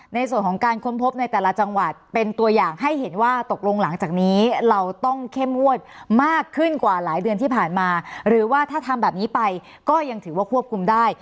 ในส่วนของการค้นพบในแต่ละจังหวัดเป็นตัวอย่างให้เห็นว่าตกลงหลังจากนี้เราต้องเข้มงวดมากขึ้นกว่าหลายเดือนที่ผ่านมาหรือว่าถ้าทำแบบนี้ไปก็ยังถือว่าควบคุมได้